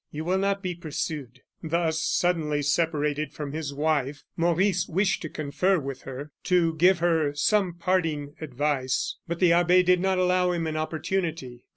You will not be pursued." Thus, suddenly separated from his wife, Maurice wished to confer with her, to give her some parting advice; but the abbe did not allow him an opportunity.